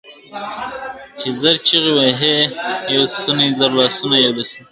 چي زر چیغي وي یو ستونی زر لاسونه یو لستوڼی !.